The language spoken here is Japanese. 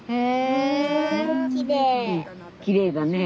きれいだね。